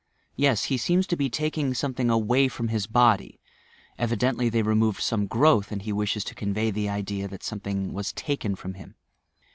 Yes, he seems to be taking something away from his body; evidently they removed some growth, and he wishes to eonrey the idea that something was taken from him.